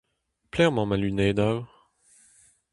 Pelec'h emañ ma lunedoù ?